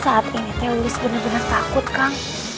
saat ini teh lilis bener bener takut kang